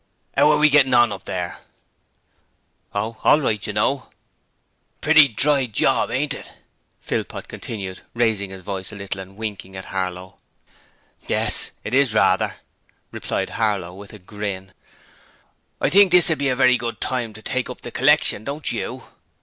''Ow are yer getting on up there?' 'Oh, all right, you know.' 'Pretty dry job, ain't it?' Philpot continued, raising his voice a little and winking at Harlow. 'Yes, it is, rather,' replied Harlow with a grin. 'I think this would be a very good time to take up the collection, don't you?'